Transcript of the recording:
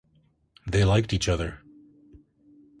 They liked each other.